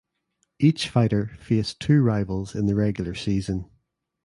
Each fighter faced two rivals in the regular season.